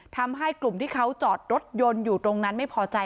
ทำให้กลุ่มที่เขาจอดรถยนต์อยู่ตรงนั้นไม่พอใจ